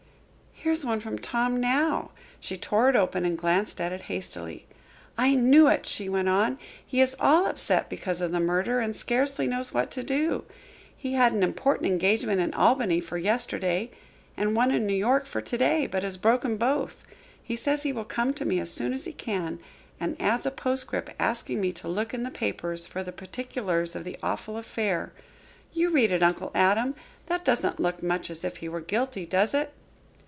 "Here is one from Tom now." She tore it open and glanced at it hastily. "I knew it," she went on. "He is all upset because of the murder and scarcely knows what to do. He had an important engagement in Albany for yesterday and one in New York for to day, but has broken both. He says he will come to me as soon as he can, and adds a postscript asking me to look in the papers for the particulars of the awful affair. You read it, Uncle Adam. That doesn't look much as if he were guilty, does it?"